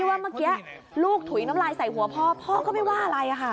ว่าเมื่อกี้ลูกถุยน้ำลายใส่หัวพ่อพ่อก็ไม่ว่าอะไรค่ะ